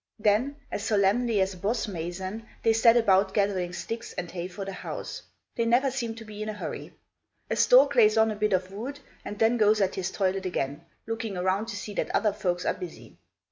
Then, as solemnly as a boss mason, they set about gathering sticks and hay for their house. They never seem to be in a hurry. A stork lays on a bit of wood, and then goes at his toilet again, looking around to see that other folks are busy.